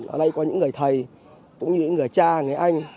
ở đây có những người thầy cũng như những người cha người anh